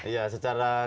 ya secara keluarga